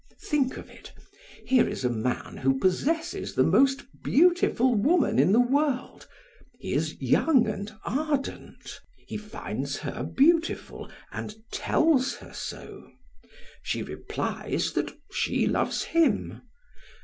"Think of it. Here is a man who possesses the most beautiful woman in the world; he is young and ardent; he finds her beautiful and tells her so; she replies that she loves him.